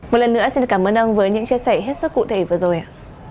một lần nữa xin cảm ơn ông với những chia sẻ hết sức cụ thể vừa rồi ạ